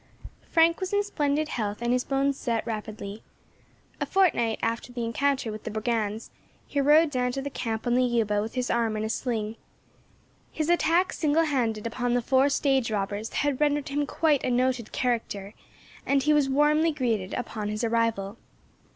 FRANK was in splendid health, and his bones set rapidly. A fortnight after the encounter with the brigands he rode down to the camp on the Yuba with his arm in a sling. His attack single handed upon the four stage robbers had rendered him quite a noted character, and he was warmly greeted upon his arrival.